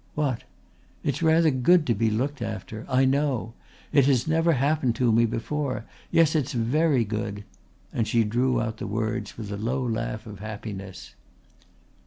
"What?" "It's rather good to be looked after. I know. It has never happened to me before. Yes, it's very good," and she drew out the words with a low laugh of happiness.